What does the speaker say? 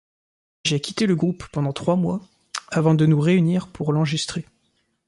J'ai quitté le groupe pendant trois mois avant de nous réunir pour l'enregistrer.